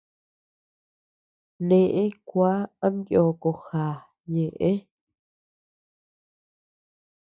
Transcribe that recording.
Ne kuá am yoko já ñeʼe.